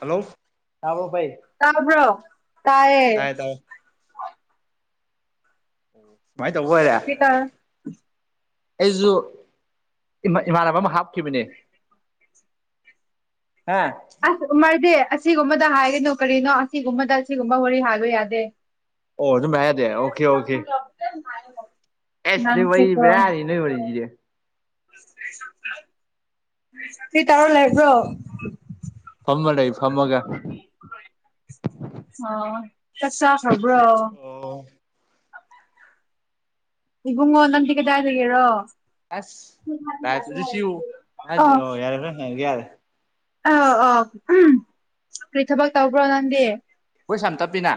hello ꯇꯥꯕꯣ ꯐ ꯇꯥꯕ꯭ꯔꯣ ꯇ ꯇꯥꯏꯌꯦ ꯇꯥꯕꯣ ꯁꯨꯃꯥꯏꯅ ꯇꯧꯕ ꯍꯥꯏꯔꯦ ꯁ꯭ꯄꯤꯀꯔ ꯑꯩꯁꯨ ꯏꯃꯥꯟꯅꯕ ꯑꯃ ꯍꯥꯞꯈꯤꯕꯅꯦ ꯍꯥ ꯑꯣ ꯑꯁ ꯎꯃꯔꯗꯤ ꯑꯁꯤꯒꯨꯝꯕꯗ ꯍꯥꯏꯒꯅꯨ ꯀꯔꯤꯅꯣ ꯑꯁꯤꯒꯨꯝꯕꯗ ꯑꯁꯤꯒꯨꯝꯕ ꯍꯣꯔ ꯍꯥꯏꯕ ꯌꯥꯗꯦ ꯑꯣ ꯑꯗꯨꯝ ꯃꯌꯥꯝꯗꯦ ꯑꯣꯀꯦ ꯑꯣꯀꯦ ꯑꯦꯁ ꯅ ꯅꯤ ꯅꯣꯏ ꯋꯥꯔꯤꯦ ꯁꯤ ꯇꯥꯔꯣ ꯂꯩ ꯍꯥꯏꯕ꯭ꯔꯣ ꯐꯃ ꯅꯩꯅ ꯑꯩ ꯐꯃꯒ ꯀ ꯆ ꯐꯕ꯭ꯔꯣ ꯏꯕꯉꯣ ꯅ ꯇ ꯀꯦꯗ ꯍꯥꯏꯗꯒꯦꯔꯣ ꯑꯁ ꯂꯥꯏꯐꯇꯁꯨ ꯁꯤꯌꯨ ꯑ ꯃꯥꯁꯦ ꯑꯣ ꯌꯥꯔꯦ ꯍꯣꯔꯦꯟ ꯍꯪꯉꯒꯦ ꯌꯥꯔꯦ ꯑ ꯑꯥꯎ ꯎ ꯀꯔꯤ ꯊꯕꯛ ꯇꯧꯕ꯭ꯔꯣ ꯅꯪꯗꯤ ꯍꯣꯏ ꯁꯝ ꯇꯞꯄꯤꯅ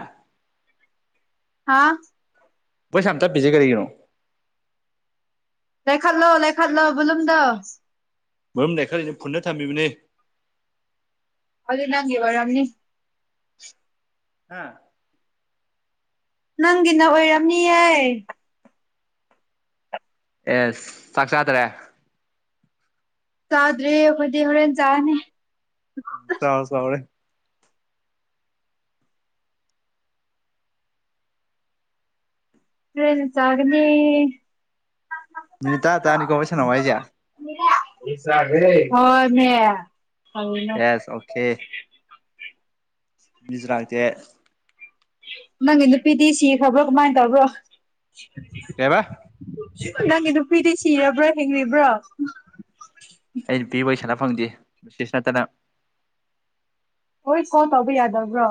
ꯍꯥꯥ ꯑꯩꯣꯏ ꯁꯝꯇꯞꯄꯤꯁꯦ ꯀꯔꯤꯒꯤꯅꯣ ꯂꯩꯥꯏꯈꯠꯂꯣ ꯂꯩꯥꯏꯈꯠꯂꯣ ꯕꯂꯨꯝꯗ ꯃꯔꯝ ꯂꯩꯏ ꯈꯔ ꯄꯨꯟꯅ ꯊꯝꯕꯤꯕꯅꯦ ꯑꯗꯨꯗ ꯅꯪꯒꯤ ꯑꯣꯏꯔꯥꯝꯅꯤ ꯍꯥꯥ ꯅꯪꯒꯤꯅ ꯑꯣꯏꯔꯝꯅꯤꯌꯦ ꯑꯦꯁ ꯆꯥꯛꯆꯥꯥꯠꯇ꯭ꯔꯦ ꯆꯥꯗ꯭ꯔꯦ ꯑꯩꯈꯣꯏꯗꯤ ꯍꯣꯔꯦꯟ ꯆꯥꯅꯤ ꯆꯥꯎ ꯆꯥꯎꯔꯦ ꯐꯦꯁ ꯆꯒꯅꯤ ꯃꯤꯅꯤꯠ ꯇꯔꯥ ꯇꯥꯔꯥꯅꯤꯀꯣ ꯋꯥꯔꯤ ꯁꯅꯧ ꯍꯥꯏꯖꯦ ꯍꯣꯏꯃꯦ ꯀꯔꯤꯅꯣ ꯌꯥꯁ ꯑꯣꯀꯦ ꯨꯖꯔꯥꯛꯁꯦ ꯅꯪꯒꯤ ꯅꯨꯄꯤꯗꯤ ꯁꯤꯈ꯭ꯔꯕ꯭ꯔꯣ ꯀꯃꯥꯏꯅ ꯇꯧꯕ꯭ꯔꯣ ꯀꯩꯕ ꯅꯪꯒꯤ ꯅꯨꯄꯤꯗꯤ ꯁꯤꯔꯕ꯭ꯔꯣ ꯍꯤꯡꯕ꯭ꯔꯣ ꯑꯩ ꯅꯨꯄꯤ ꯋꯥꯔꯤ ꯁꯥꯟꯅ ꯐꯪꯗꯦ ꯕꯤꯁꯦꯁ ꯅꯠꯇꯅ ꯍꯣꯏ ꯀꯣꯜ ꯇꯧꯕ ꯌꯥꯗꯕ꯭ꯔꯣ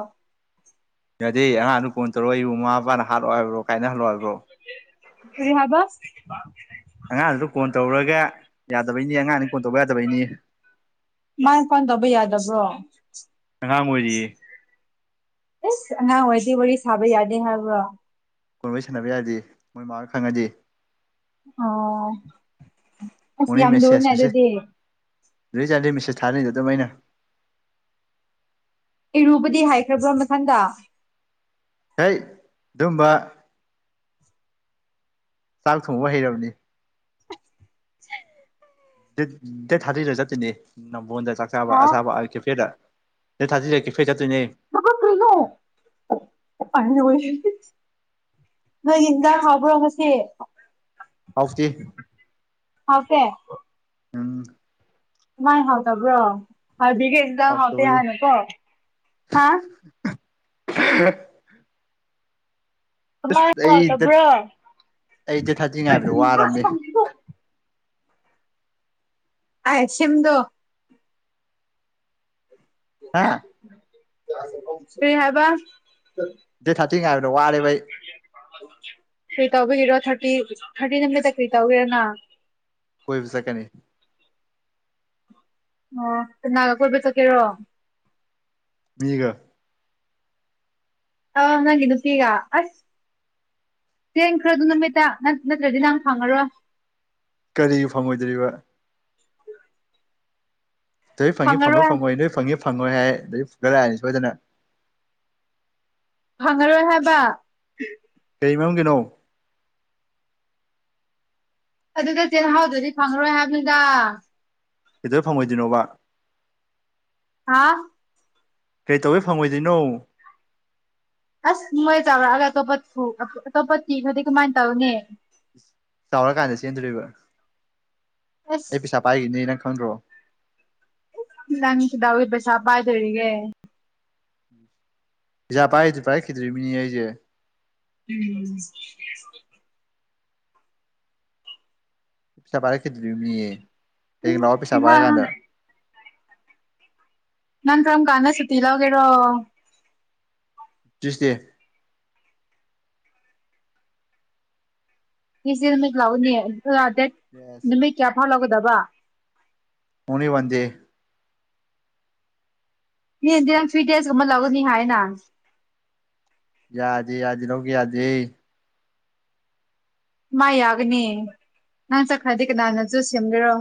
ꯌꯥꯗꯦ ꯑꯉꯥꯡꯗꯨ ꯀ ꯐꯣꯟ ꯇꯧꯔꯛꯏꯕꯕꯨ ꯃꯃꯥ ꯃꯄꯥꯅ ꯍꯥꯠꯂꯛꯑꯣ ꯍꯥꯏꯕ꯭ꯔꯣ ꯀꯥꯏꯅꯍꯜꯂꯣ ꯍꯥꯏꯕ꯭ꯔꯣ ꯀꯔꯤ ꯍꯥꯕ ꯑꯉꯥꯡꯗꯨꯗ ꯐꯣꯟ ꯇꯧꯔꯒ ꯌꯥꯗꯕꯩꯅꯤ ꯑꯉꯥꯡ ꯃꯥꯏ ꯄꯥꯟ ꯇꯧꯕ ꯌꯥꯗꯕ꯭ꯔꯣ ꯉꯃ ꯑꯣꯏꯖꯤ ꯑꯦꯁ ꯑꯉꯥꯡ ꯑꯣꯏꯗꯤ ꯋꯥꯔꯤ ꯁꯥꯕ ꯌꯥꯗꯦ ꯍꯥꯏꯕ꯭ꯔ ꯀꯣꯟꯕꯩ ꯁꯥꯟꯅꯕ ꯌꯥꯗꯦ ꯃꯣꯏ ꯃꯥꯅ ꯈꯪꯉꯗꯤ ꯑꯣ ꯎ ꯑꯁ ꯌꯥꯝ ꯂꯨꯅꯦ ꯃꯦꯁꯦꯁ ꯃꯁꯦ ꯑꯗꯨꯗꯤ ꯨꯏ ꯆꯥꯟꯗ ꯃꯤꯁꯦꯁ ꯊꯥꯅꯗ ꯇ ꯃꯣꯏꯅ ꯏꯔꯨꯕꯗꯤ ꯍꯥꯏꯈ꯭ꯔꯕ꯭ꯔꯥ ꯃꯊꯪꯗ ꯍꯣꯏ ꯑꯗꯨꯝꯕ ꯆꯥꯛ ꯊꯣꯡꯕ ꯍꯩꯔꯕꯅꯤ ꯗꯦꯠ ꯊꯥꯗ꯭ꯗ ꯆꯠꯇꯣꯏꯅꯦ ꯅꯝꯕꯣꯟꯗ ꯆꯥꯛ ꯆꯕ ꯍꯥꯎ ꯑꯁꯥꯕ ꯀꯦꯐꯦꯗ ꯅ ꯊꯥꯖꯤ ꯂꯩ ꯐꯦ ꯆꯠ [unintelligible] ꯅꯣꯏ ꯏꯟꯗꯥꯥꯡ ꯍꯥꯕ꯭ꯔꯣ ꯉꯁꯦ ꯍꯥꯎꯇꯦ ꯍꯥꯎꯇꯦ ꯎꯪ ꯃꯥꯏ ꯍꯥꯎꯇꯕ꯭ꯔꯣ ꯍꯥꯏꯕꯤꯒꯩꯁꯤꯗ ꯍꯄꯦ ꯍꯥꯎꯇꯕꯒꯤ ꯍꯅꯨꯀꯣ ꯍꯥ [inaudible] ꯑꯁ ꯃ ꯑꯩ ꯗꯦꯠ ꯇꯕ꯭ꯔꯣ ꯑꯩ ꯗꯦꯠ ꯊꯥꯔꯇꯤ ꯉꯥꯏꯕꯗ ꯋꯥꯔꯕꯅꯦ ꯑ ꯁꯤꯝꯗꯣ ꯍꯥ ꯁꯤ ꯍꯥꯏꯕ ꯗꯦꯠ ꯊꯥꯔꯇꯤ ꯍꯥꯏꯥꯏꯕꯗꯣ ꯋꯥꯔꯦꯕꯩ ꯔ ꯊꯥꯔꯇꯤ ꯊꯥꯔꯇꯤ ꯅꯨꯃꯤꯠꯇ ꯀꯔꯤ ꯇꯧꯒꯦꯔꯅ ꯀꯣꯏ ꯆꯀꯦꯅꯤ ꯑꯣꯅꯥꯒꯥ ꯀꯣꯏꯕ ꯆꯠꯀꯦꯔꯣ ꯃꯤꯒ ꯑ ꯅꯪꯒꯤ ꯅꯨꯄꯤꯒ ꯑꯁ ꯆꯦꯡꯈ꯭ꯔꯗꯨ ꯅꯨꯃꯤꯠꯇ ꯅꯪ ꯅꯠꯇ꯭ꯔꯗꯤ ꯅꯪ ꯐꯪꯉꯔꯣꯏ ꯀꯔꯤꯒꯤ ꯐꯪꯉꯣꯏꯗ꯭ꯔꯤꯕ [inaudible] ꯅꯣꯏ ꯐꯪꯉꯤ ꯐꯪꯏ ꯐꯪꯉꯔꯣꯏ ꯐꯪꯉꯣꯏ ꯅꯣꯏ ꯐꯪꯉꯤ ꯐꯪꯉꯣꯏ ꯍꯥꯏ ꯑꯩ ꯐꯨꯒ ꯂꯥꯛꯑꯅꯤ ꯁꯣꯏꯗꯅ ꯐꯪꯉꯔꯣꯏ ꯍꯥꯏꯕ ꯀꯩ ꯃꯔꯥꯡꯒꯤꯅꯣ ꯑꯗꯨꯗ ꯆꯤꯍꯥꯎꯗꯨꯗꯤ ꯐꯪꯉꯔꯣꯏ ꯍꯥꯏꯕꯅꯤꯗ ꯀꯇ ꯐꯪꯉꯣꯏꯗꯣꯏꯅꯣꯕ ꯍꯥꯥ ꯀꯩ ꯇꯧꯕꯩ ꯐꯪꯉꯣꯏꯗꯣꯏꯅꯣ ꯑꯁ ꯃꯣꯏ ꯆꯥꯎꯔꯛꯑꯒ ꯑꯇꯣꯞꯄ ꯑꯇꯣꯞꯄ ꯀꯤ ꯍꯥꯏꯗꯤ ꯀꯃꯥꯏꯅ ꯇꯧꯅꯦ ꯆꯥꯎꯔꯀꯥꯟꯗ ꯆꯦꯟꯗꯣꯔꯤꯕ ꯑꯁ ꯑꯩ ꯄꯩꯁꯥ ꯄꯥꯏꯈꯤꯅꯤ ꯅꯪ ꯐꯪꯗ꯭ꯔꯣ ꯅꯪꯁꯤꯗꯎꯕꯁꯕ ꯍꯥꯏꯗꯦ [unintelligible] ꯄꯩꯁꯥ ꯄꯥꯏꯗꯨ ꯄꯥꯏꯔꯛꯈꯤꯗꯣꯏ ꯃꯤꯅꯤ ꯑꯩꯁꯦ ꯎꯝ ꯄꯩꯁꯥ ꯄꯥꯏꯔꯛꯈꯤꯗ꯭ꯔꯤ ꯃꯤ ꯍꯌꯦꯡ ꯂꯥꯛꯑꯣ ꯄꯤꯁꯥ ꯍꯥ ꯄꯥꯏꯔ ꯀꯥꯟꯗ ꯅꯪ ꯀꯝ ꯀꯥꯟꯘ ꯁꯨꯇꯤ ꯂꯧꯒꯦꯔꯣ ꯇꯨꯏꯁꯗꯦ ꯁꯤꯁꯦ ꯅꯨꯃꯤ ꯂꯥꯛꯎꯅꯤ ꯗꯦꯠ ꯌꯦꯁ ꯅꯨꯃꯤꯠ ꯀꯌꯥ ꯐꯥꯎ ꯂꯧꯒꯗꯕ ꯑꯣꯡꯂꯤ ꯋꯥꯟꯗꯦ ꯍꯗꯤ ꯊ꯭ꯔꯤ ꯑꯃꯥ ꯂꯧꯒꯅꯤ ꯍꯥꯏꯑꯦꯅ ꯌꯥꯘꯦ ꯌꯥꯗꯦ ꯂꯧꯒꯦ ꯌꯗꯦ ꯃꯥ ꯌꯥꯒꯅꯤ ꯅꯪ ꯆꯠꯈꯗꯤꯦ ꯀꯅꯥꯅꯁꯨ ꯁꯦꯝꯗꯣꯏꯔꯣ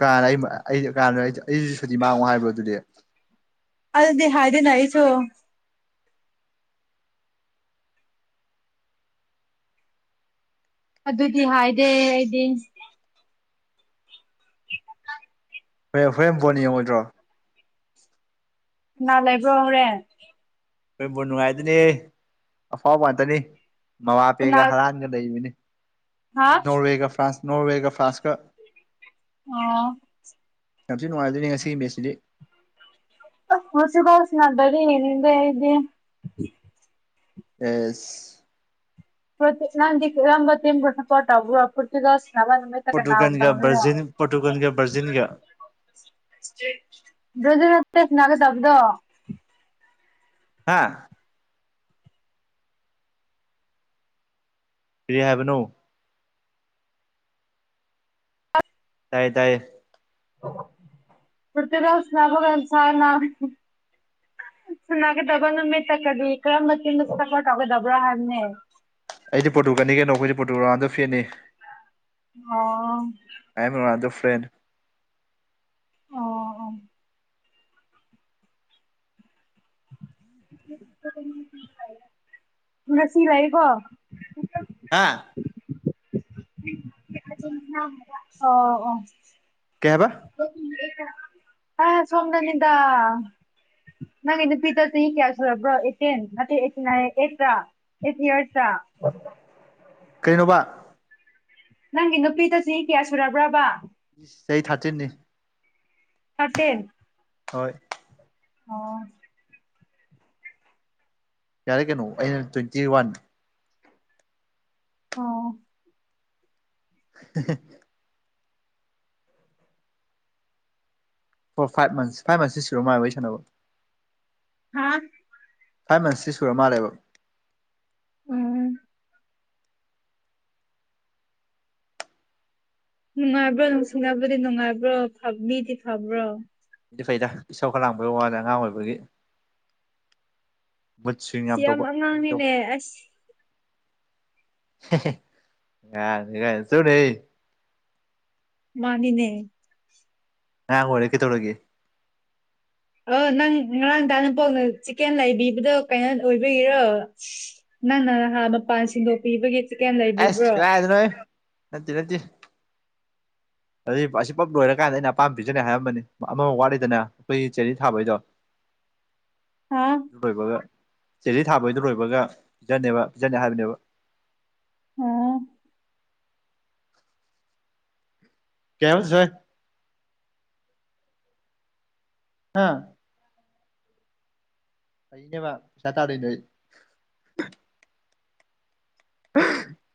ꯀꯅ ꯀ ꯑꯩꯁꯤ ꯁꯨꯗꯤ ꯃꯥꯡꯉꯣ ꯍꯥꯏꯕ꯭ꯔꯣ ꯑꯗꯨꯗꯤ ꯑꯘꯨ ꯗꯤ ꯍꯥꯏꯥꯏꯗꯤꯅꯑꯩꯁꯨ ꯑꯗꯨꯗꯤ ꯍꯥꯏꯗꯦ ꯑꯩꯗꯤ ꯍꯣꯔꯦꯟ ꯍꯣꯔꯦꯟ ꯕꯣ ꯌꯦꯡꯉꯣꯏꯗ꯭ꯔꯣ ꯅꯥ ꯂꯩꯕ꯭ꯔꯣ ꯍꯧꯔꯦꯟ ꯑꯣꯏꯕꯣꯟ ꯅꯨꯡꯉꯥꯏꯗꯣꯅꯤ ꯑꯐꯥꯎꯕꯉꯛꯇꯅꯤ ꯀꯅꯥ ꯃꯃꯥꯄꯦꯒ ꯍꯔꯥꯟꯒ ꯂꯩꯕꯅꯤ ꯍꯥ ꯅꯣꯔꯋꯦꯒ ꯐ꯭ꯔꯥꯟꯁ ꯅꯣꯔꯋꯦꯒ ꯐ꯭ꯔꯥꯟꯁꯀ ꯑ ꯌꯥꯝꯊꯤ ꯅꯨꯡꯉꯥꯏꯘꯣꯏꯅꯤ ꯉꯁꯤꯒꯤ ꯃꯦꯁꯁꯤꯗꯤ ꯨꯁꯤꯤꯕꯨꯥꯎꯁꯅꯕꯔꯤ ꯌꯦꯗꯦ [unintelligible] ꯑꯦꯁ ꯅꯘꯤ ꯀꯔꯝꯕ ꯇꯤꯝꯕꯨ ꯁꯥꯄꯣꯠ ꯇꯧꯕ꯭ꯔꯣ ꯃ ꯑꯗꯨꯃꯦ ꯇ ꯀꯅꯥꯗ ꯄꯣꯔꯇꯨꯒꯟꯒ ꯑꯣꯏꯔꯣ ꯕ꯭ꯔꯥꯖꯤꯟ ꯄꯣꯔꯇꯨꯒꯟꯒ ꯕ꯭ꯔꯥꯖꯤꯟꯒ [unintelligible] ꯔꯖꯠꯇꯅꯥꯒ ꯇꯧꯕꯗꯣ ꯍꯥꯥ ꯄꯦ ꯍꯥꯏꯦꯕꯅꯣ ꯇꯥꯏ ꯇꯥꯏꯌꯦ ꯄꯣꯔꯇꯨꯒꯜ ꯁꯅꯥꯈꯣ ꯁꯥ ꯅ ꯁꯥꯅꯒꯗꯥꯕ ꯅꯨꯃꯤꯠꯇ ꯀꯔꯤ ꯀꯔꯝꯕ ꯇꯤꯝꯘ ꯁꯥꯄꯣꯔꯠ ꯇꯧꯒꯗꯕ꯭ꯔ ꯍꯥꯏꯕꯅꯦ ꯑꯩꯗꯤ ꯄꯣꯔꯇꯨꯒꯜꯅꯤ ꯀꯩꯅꯣ ꯑꯩꯈꯣꯏꯗꯤ ꯄꯣꯔꯇꯨꯒꯜ ꯔꯣꯅꯜꯗꯣ ꯐꯦꯠꯅꯤ ꯑ ꯑꯑꯦꯝ ꯔꯣꯅꯜꯗꯣ ꯐꯦꯟ ꯑꯣ ꯑꯣ ꯎꯝ ꯎꯝ [inaudible] ꯉꯥꯁꯤ ꯂꯩꯌꯦꯀꯣ ꯍꯥ ꯑꯣ ꯑꯣ ꯀꯩ ꯍꯥꯏꯕ ꯑ ꯁꯣꯝꯗꯅꯤꯗ ꯅꯪ ꯅꯨꯄꯤ ꯘꯣꯆꯍꯤ ꯀꯌꯥ ꯁꯨꯔꯕ꯭ꯔꯣ ꯑꯦꯇꯤꯟ ꯅꯠꯇꯦꯠꯇ꯭ꯔꯠꯇ꯭ꯔꯥ [inaudible] ꯀꯩꯅꯣꯕ ꯅꯪꯒꯤ ꯅꯨꯄꯤꯗꯣ ꯆꯍꯤ ꯀꯌꯥ ꯁꯨꯔꯕ꯭ꯔꯕ ꯆꯍꯤ ꯊꯥꯔꯇꯤꯟꯅꯤ ꯊꯥꯔꯇꯤꯟꯅꯤ ꯍꯣꯏ ꯑꯣ ꯌꯥꯔꯦ ꯀꯩꯅꯣ ꯑꯩꯅ ꯇꯣꯏꯇꯤ ꯋꯥꯟ ꯑꯣ [unintelligible] ꯑꯣ ꯐꯥꯏꯚ ꯃꯟꯁ ꯐꯥꯏꯚ ꯃꯟꯁꯁꯤ ꯁꯨꯔ ꯃꯥꯥ ꯋꯔꯤ ꯁꯥꯟꯅꯕ ꯍꯥꯥ ꯐꯥꯏꯚ ꯃꯟꯁꯁꯤ ꯁꯨꯔ ꯃꯥꯜꯂꯦꯕ ꯎꯝ ꯅꯨꯡꯉꯥꯏꯕ꯭ꯔꯣ ꯅꯨꯡꯁꯤꯅꯕꯗꯤ ꯅꯨꯡꯉꯥꯏꯕ꯭ꯔꯣ ꯃꯤꯗꯤ ꯐꯕ꯭ꯔꯣ ꯏꯗꯤ ꯐꯩꯗ ꯏꯁꯥꯎ ꯈ ꯂꯥꯡꯕ ꯋꯥꯅꯦ ꯑꯉꯥꯡ ꯑꯣꯏꯕꯒꯤ ꯃꯨꯗ ꯁ꯭ꯋꯤꯡ ꯁꯤ ꯌꯥꯝ ꯇꯧꯕ ꯑꯉꯥꯡꯅꯤꯅꯦ ꯑꯁ ꯉꯥꯏꯅꯤ ꯀ ꯆꯅꯦ ꯃꯥꯅꯤꯅꯦ ꯉꯥꯡꯑꯣꯏꯔꯦ ꯀꯦ ꯇꯧꯔꯒꯦ ꯑ ꯅꯪ ꯉꯔꯥꯡꯗ ꯅꯄꯣꯛꯅ ꯆꯤꯛꯀꯦꯟ ꯂꯩꯕꯤꯕꯗꯣ ꯀꯩꯅꯣ ꯑꯣꯏꯕꯤꯒꯤꯔꯣ ꯅ ꯃꯄꯥꯟ ꯁꯤꯟꯗꯣꯛꯄꯤꯕꯒꯤ ꯆꯤꯛꯀꯦꯟ ꯑꯁ ꯂꯩꯕꯤꯕ꯭ꯔꯣ ꯀꯥꯏꯗ ꯅꯣꯍꯦ ꯅꯠꯇ ꯅꯠꯇ ꯑꯗꯨ ꯑꯁꯤ ꯄꯞ ꯂꯣꯏꯔꯀꯥꯟꯗ ꯑꯩꯅ ꯑꯄꯥꯝꯕ ꯄꯤꯖꯅꯤ ꯍꯥꯏꯔꯝꯕꯅꯤ ꯑꯃꯃ ꯋꯥꯠꯂꯤꯗꯅ ꯑꯩꯈꯣꯏꯒꯤ ꯆꯦꯔꯤ ꯊꯥꯕꯩꯗꯣ ꯍꯥ ꯕꯣꯏꯕꯒ ꯆꯦꯔꯤ ꯊꯥꯕꯩꯗ ꯂꯣꯏꯕꯒ ꯄꯤꯖꯅꯦꯕ ꯄꯤꯖꯅꯤ ꯍꯥꯏꯕꯅꯦꯕ [inaudible] ꯑꯣ ꯀꯩ ꯍꯥꯏꯕꯁꯦ ꯑꯥ ꯑꯩꯅꯦ ꯃꯥ ꯆꯇꯗꯏ [unintelligible]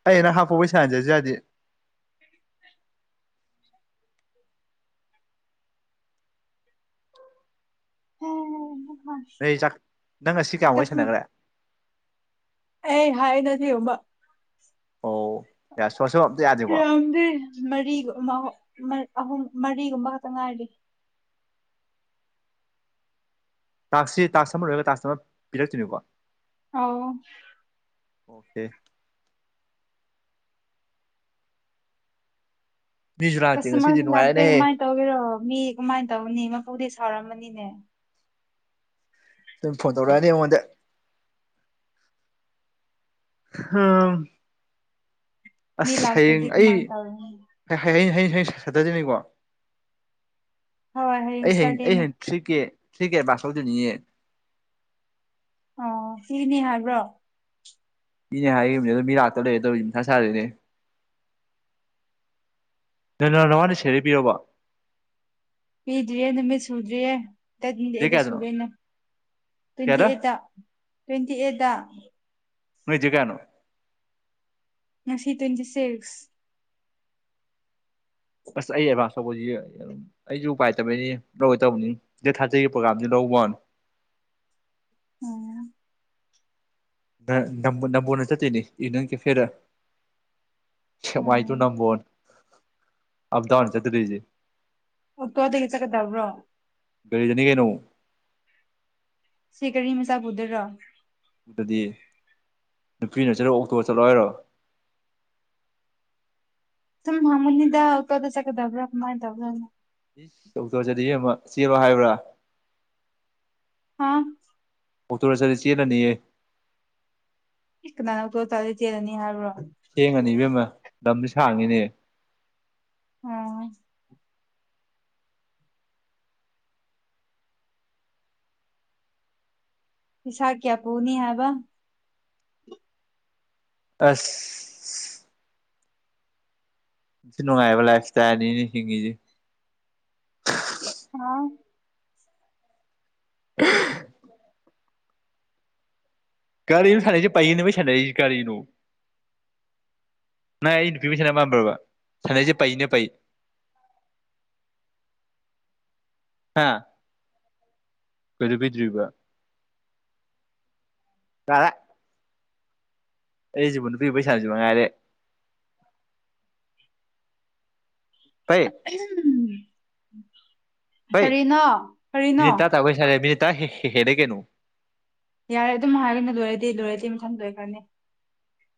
ꯑꯩꯅ ꯍꯥꯞꯄ ꯄꯩꯁꯟꯖꯁꯨ ꯌꯥꯗꯤ ꯎꯝ ꯅꯣꯏꯆꯥꯛ ꯅꯪ ꯉꯁꯤ ꯀꯌꯥꯃꯨ ꯋꯥꯏ ꯁꯥꯟꯅꯈ꯭ꯔꯦ ꯑꯦ ꯍꯥꯏ ꯅ ꯎꯃ ꯑꯣ ꯌꯥ ꯁꯣ ꯁꯣ ꯑꯝꯇ ꯌꯥꯗꯦꯀꯣ ꯔꯝꯕꯤ ꯃꯔꯤ ꯑꯍꯨꯝ ꯃꯔꯤꯒꯨꯝꯕ ꯈꯛꯇ ꯉꯥꯏꯔꯤ ꯇꯥꯛꯁꯤ ꯇꯥꯛꯁ ꯑꯃ ꯂꯣꯏꯔꯒ ꯇꯥꯛ ꯑꯝꯃ ꯄꯤꯔꯛꯇꯣꯏꯅꯤꯀꯣ ꯑꯥꯎ ꯑꯣꯀꯦ ꯃꯤꯁꯨ ꯂꯥꯛꯇꯦ ꯉꯁꯤꯗꯤ ꯀꯁꯇꯃꯔꯁꯨ ꯂꯥꯛꯇꯦ ꯅꯨꯡꯉꯥꯏꯔꯦꯅꯦꯍꯦ ꯀꯃꯥꯏꯅ ꯇꯧꯒꯦꯔꯣ ꯃꯤ ꯀꯃꯥꯏꯅ ꯇꯧꯅꯤ ꯃꯄꯨꯗꯤ ꯁꯥꯎꯔꯝꯃꯅꯤꯅꯦ ꯁꯨꯝ ꯐꯣꯟ ꯇꯧꯔꯛꯑꯅꯤ ꯑꯩꯉꯣꯟꯗ ꯑꯥ ꯃꯤ ꯑꯁ ꯍꯌꯦꯡ ꯂꯥꯛꯇ꯭ꯔꯗꯤ ꯑꯩ ꯀꯃꯥꯏꯅ ꯇꯧꯔꯅꯤ ꯍꯌꯦꯡ ꯍꯌꯦꯡ ꯍꯌꯦꯡ ꯁꯇꯔꯗꯦꯅꯤꯀꯣ ꯍꯣꯏ ꯑꯩ ꯍꯌꯦꯡ ꯑꯩ ꯁꯇꯔꯗꯦꯅꯦ ꯍꯌꯦꯡ ꯊ꯭ꯔꯤꯀꯦ ꯊ꯭ꯔꯤꯀꯦ ꯑꯦꯗꯚꯥꯟꯁ ꯂꯧꯗꯨꯅꯤꯅꯦ ꯑꯣ ꯁꯤꯅꯤ ꯍꯥꯏꯕ꯭ꯔꯣ ꯃꯤꯅꯦ ꯍꯥꯏꯈꯤꯕꯅꯦ ꯑꯗꯨ ꯃꯤ ꯂꯥꯛꯇ ꯂꯩꯔꯦ ꯇꯧꯏꯁꯦ ꯁꯥꯔꯤꯔꯅꯦ ꯅꯣꯏ ꯅ ꯅꯃꯅꯤ ꯁꯦꯔꯤꯕꯤꯔꯕ ꯄꯤꯗ꯭ꯔꯤꯌꯦ ꯅꯨꯃꯤꯠ ꯁꯨꯗ꯭ꯔꯤꯌꯦ ꯇꯋꯦꯟꯇꯤ ꯗꯦꯠ ꯑꯩꯠꯇ ꯀꯌꯥꯗꯅꯣ ꯁꯨꯗꯣꯏꯅ ꯇ꯭ꯋꯦꯟꯇꯤ ꯀꯌꯥꯗ ꯑꯩꯠꯇ ꯇ꯭ꯋꯦꯟꯇꯤ ꯑꯩꯠꯇ ꯅꯣꯏꯖ ꯀꯌꯥꯅꯣ ꯉꯁꯤ ꯇ꯭ꯋꯦꯟꯇꯤ ꯁꯤꯛꯁ ꯑꯁ ꯑꯩ ꯑꯦꯗꯚꯥꯟꯁ ꯂꯧꯕꯁꯤ ꯑꯩꯁꯨ ꯎꯄꯥꯏꯇꯕꯩꯅꯤ ꯂꯧꯒꯦ ꯇꯧꯕꯅꯤ ꯗꯦꯠ ꯊꯥꯔꯇꯤꯒꯤ ꯄ꯭ꯔꯣꯒꯥꯝꯗꯨ ꯂꯧꯕ ꯋꯥꯟ ꯎꯝ ꯅꯝꯕꯣꯅ ꯆꯠꯇꯅꯤ ꯇꯨꯏꯅꯦ ꯏꯚꯤꯅꯤꯡ ꯀꯐꯦꯗ ꯁꯦꯛꯃꯥꯏ ꯇꯨ ꯎꯝ ꯅꯝꯕꯣꯟ ꯑꯕꯗꯥꯎꯟ ꯆꯠꯇꯔꯤꯖꯦ ꯑꯣꯛꯇꯣꯗꯒꯤꯗꯒꯤ ꯆꯠꯀꯗꯕ꯭ꯔꯣ ꯂꯤꯗꯅꯤ ꯀꯦꯅꯨ ꯁꯤ ꯀꯔꯤ ꯃꯁꯥꯕꯨꯗ꯭ꯔꯣ ꯑꯗꯨꯗꯤ ꯅꯨꯄꯤꯅ ꯆꯠꯂꯣ ꯑꯣꯛꯇꯣ ꯆꯠꯂꯣ ꯍꯥꯏꯔꯣ ꯁ ꯃꯃꯨꯅꯤꯗ ꯇꯗ ꯆꯒ ꯗꯕ꯭ꯔ ꯃꯥ ꯗꯕꯔ ꯏꯁ ꯆꯧꯊ ꯆꯗꯤ ꯆꯦꯕ ꯍꯥꯏꯕ꯭ꯔꯥ ꯍꯥꯥ ꯑꯣꯛꯇꯣ ꯔ ꯆꯠꯂ ꯆꯦꯜꯂꯅꯤꯌꯦ ꯅꯪꯒ ꯇꯣ ꯇ ꯂꯩꯗꯦꯅꯤ ꯍꯥꯏ꯭ꯔꯣ ꯊꯦꯡꯉꯅꯤ ꯏꯕꯦꯝ ꯑꯃ ꯂꯝꯁꯨ ꯁꯥꯡꯉꯤꯅꯦ ꯑꯝ ꯄꯁꯥ ꯀꯌꯥ ꯄꯅꯤ ꯍꯥꯏꯕ ꯑꯁ ꯏꯁꯨ ꯅꯨꯡꯉꯥꯏ ꯍꯥꯏꯕ ꯂꯐꯈꯤ ꯇꯅꯤꯅꯤ ꯍꯤꯡꯉꯤꯁꯤ ꯑꯥ [unintelligible] ꯒꯥꯔꯤꯅ ꯁꯥꯟꯅꯁꯦ ꯄꯥꯏꯌꯦꯅꯦꯕꯩ ꯁꯥꯟꯅꯁꯤ ꯒꯥꯔꯤꯅ ꯑꯩ ꯅꯨꯄꯤ ꯃ ꯁꯥꯟꯅꯕ ꯄꯝꯕ꯭ꯔꯔꯕ ꯁꯥꯟꯅꯁꯦ ꯄꯥꯏꯅꯦ ꯄꯥꯏ [unintelligible] ꯍꯥ ꯀꯕꯤꯗ꯭ꯕ ꯀꯔꯦ ꯑꯩꯁꯤꯕꯨ ꯅꯨꯄꯤ ꯄꯩꯁꯥꯁꯨ ꯃꯉꯥꯏꯔꯦ ꯄꯩ ꯝ ꯍꯩ ꯀꯔꯤꯅꯣ ꯃꯤ ꯇ ꯇꯥꯩꯁꯔꯦ ꯃꯤ ꯇ ꯍ ꯍꯦꯗꯦ ꯀꯅꯨ ꯌꯥꯔꯦ ꯑꯗꯨꯝ ꯍꯥꯏꯔꯒꯅꯤ ꯂꯣꯏꯔꯗꯤ ꯂꯣꯏꯔꯗꯤ ꯃꯊꯪ ꯂꯣꯏꯈ꯭ꯔꯅꯤ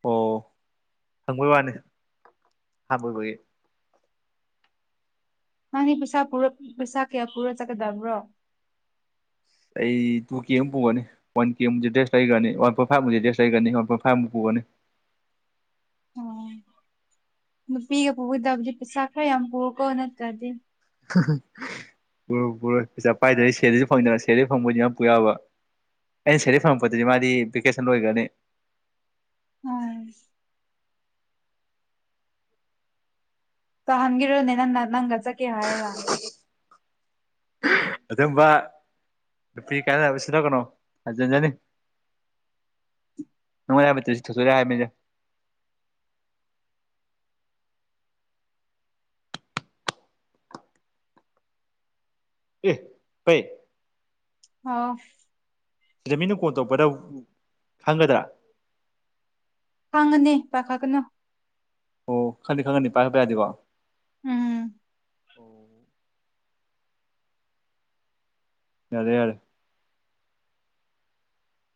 ꯑꯣ ꯍꯪꯕꯩ ꯋꯥꯅꯦ ꯍꯥꯟꯕꯣꯏꯕꯒꯤ ꯅꯪꯅꯦ ꯄꯩꯁꯥ ꯄꯩꯁꯥ ꯀꯌꯥ ꯄꯨꯔ ꯆꯠꯀꯗꯕ꯭ꯔꯣ ꯑꯩ ꯇꯨ ꯀꯦ ꯑꯃ ꯄꯨꯒꯅꯤ ꯋꯥꯟ ꯀꯦꯨ ꯗ꯭ꯔꯦꯁ ꯂꯩꯒꯅꯤ ꯋꯥꯟ ꯄꯔ ꯐꯥꯏꯨ ꯗ꯭ꯔꯦꯁ ꯂꯩꯒꯅꯤ ꯋꯥꯟ ꯄꯔ ꯐꯥ ꯑꯃ ꯄꯨꯒꯅꯤ ꯅꯦ ꯑꯣ ꯅꯨꯄꯤꯒ ꯄꯨꯒꯗꯕꯗꯤ ꯄꯩꯁꯥ ꯈꯔ ꯌꯥꯝ ꯄꯨꯔꯀꯣ ꯅꯠꯇ꯭ꯔꯗꯤ ꯔꯣꯏ ꯄꯨꯔꯣꯏ ꯄꯩꯁꯥ ꯄꯥꯏꯗꯔꯤ ꯁꯦꯔꯤꯁꯨ ꯐꯪꯗꯅ ꯁꯦꯜꯂꯤ ꯐꯪꯕꯅꯤꯅ ꯄꯨꯌꯥꯕ ꯑꯩꯅ ꯁꯦꯔꯤ ꯐꯪꯉꯛꯄꯗꯗꯤ ꯃꯥꯗꯤ ꯚꯦꯀꯦꯁꯟ ꯂꯣꯏꯒꯅꯤ ꯎꯝ ꯁꯣꯍꯥꯟꯒꯤꯔꯣꯅꯦ ꯅꯪ ꯅꯪꯒ ꯆ ꯀꯦ ꯍꯥꯏꯔꯂ ꯑꯗꯨꯒꯝꯕ ꯅꯨꯄꯤ ꯀꯥꯏꯅꯕꯁꯤꯅ ꯀꯩꯅꯣ ꯍꯟꯖꯤꯟꯖꯅꯤ ꯅ ꯃꯕ ꯇꯁꯤ ꯊꯁꯨ ꯌꯥ ꯃ ꯑꯦ ꯄꯩ ꯑꯥ ꯁꯤꯗꯃꯤꯅ ꯀꯣꯟ ꯇꯧꯕꯧꯕꯗ ꯈꯪꯒꯗ꯭ꯔꯥ ꯍꯥꯡꯉꯅꯦ ꯄꯥꯈꯥꯒꯅ ꯑꯣ ꯈꯪꯅꯤ ꯈꯪꯒꯅꯤ ꯄꯥꯏ ꯍꯥꯏꯄ ꯌꯥꯗꯤꯀꯣ ꯎꯝ ꯑꯣ ꯌꯥꯗ ꯌꯥꯔ